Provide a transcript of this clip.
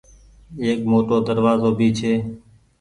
ايڪ موٽو دروآزو ڀي ڇي ۔